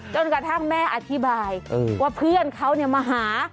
จนกระทั่งแม่อธิบายว่าเพื่อนเขามาหา